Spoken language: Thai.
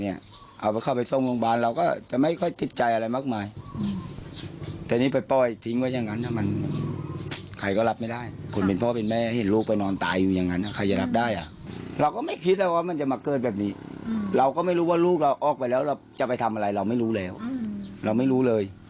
เราก็เข้าไปส่งโรงพยาบาลเราก็จะไม่ค่อยติดใจอะไรมากมายแต่นี่ไปปล่อยทิ้งไว้อย่างนั้นถ้ามันใครก็รับไม่ได้คนเป็นพ่อเป็นแม่เห็นลูกไปนอนตายอยู่อย่างนั้นใครจะรับได้อ่ะเราก็ไม่คิดแล้วว่ามันจะมาเกิดแบบนี้เราก็ไม่รู้ว่าลูกเราออกไปแล้วเราจะไปทำอะไรเราไม่รู้แล้วเราไม่รู้เลย